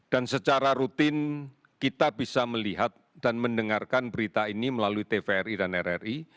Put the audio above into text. dan secara rutin kita bisa melihat dan mendengarkan berita ini melalui tvri dan rri